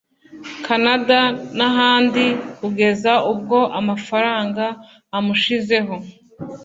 Canada n’ahandi kugeza ubwo amafaranga amushizeho